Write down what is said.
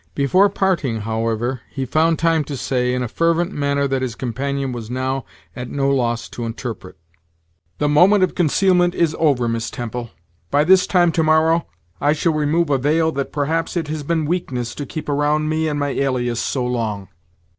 Before parting, however, he found time to say, in a fervent manner that his companion was now at no loss to interpret. "The moment of concealment is over, Miss Temple. By this time to morrow, I shall remove a veil that perhaps it has been weakness to keep around me and my afffairs so long.